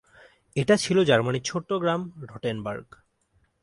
এটা ছিল জার্মানির ছোট্ট গ্রাম রটেনবার্গ।